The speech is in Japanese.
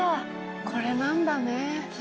これなんだね。